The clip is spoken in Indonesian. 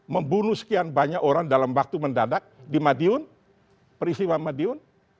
membunuh sekian banyak orang dalam waktu mendadak di madiun peristiwa madiun